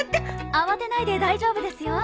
慌てないで大丈夫ですよ。